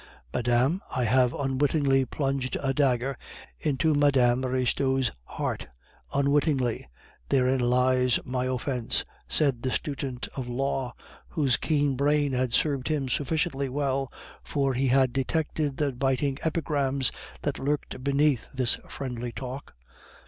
"Madame, I have unwittingly plunged a dagger into Mme. de Restaud's heart; unwittingly therein lies my offence," said the student of law, whose keen brain had served him sufficiently well, for he had detected the biting epigrams that lurked beneath this friendly talk.